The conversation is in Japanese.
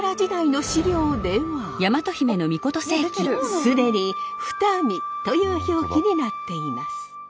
既に「二見」という表記になっています。